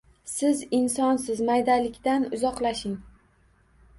Siz insonsiz - maydalikdan uzoqlashing.